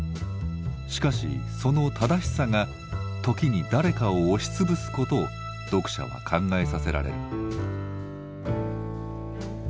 しかしその正しさが時に誰かを押し潰すことを読者は考えさせられる。